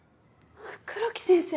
黒木先生！